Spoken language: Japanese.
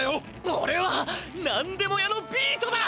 おれは何でも屋のビートだ！